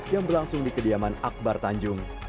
yang berlangsung di kediaman akbar tanjung